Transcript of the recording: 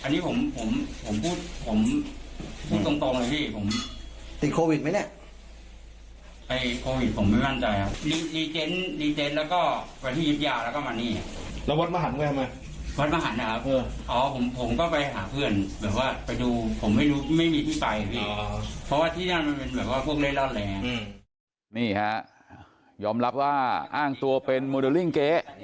นี่ครับยอมรับว่าอ้างตัวเป็นโมเดอร์ริ้งเก๊